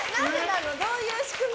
どういう仕組み？